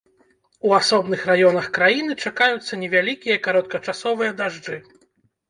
У асобных раёнах краіны чакаюцца невялікія кароткачасовыя дажджы.